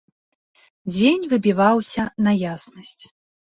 Дзень выбіваўся на яснасць.